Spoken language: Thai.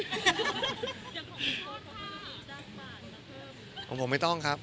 ของผมไม่ต้องครับ